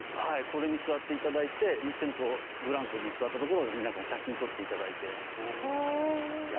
これに座っていただいて一緒にブランコに座ったところを皆さん写真撮っていただいて。